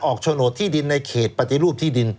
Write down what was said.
โฉนดที่ดินในเขตปฏิรูปที่ดิน